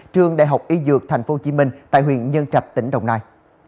trường đại học y dược tp hcm tại huyện nhân trạch tỉnh đồng nai